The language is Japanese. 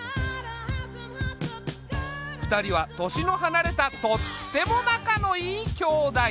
２人は年の離れたとっても仲のいい兄妹。